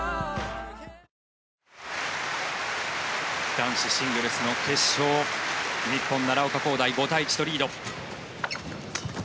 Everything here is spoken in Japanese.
男子シングルスの決勝日本、奈良岡功大５対１とリード。